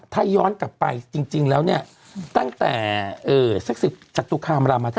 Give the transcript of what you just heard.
ถ้าย้อนกลับไปจริงแล้วเนี้ยตั้งแต่เอ่อแสดงสิบกิโลกรามรามมาที่